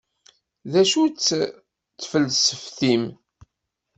D acu-tt tfelseft-im?